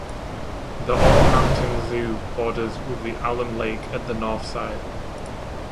The Ore Mountains Zoo borders with the Alum Lake at the north side.